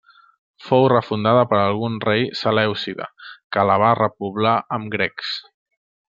Fou refundada per algun rei selèucida que la va repoblar amb grecs.